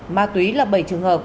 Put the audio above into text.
ma túy là bảy trường hợp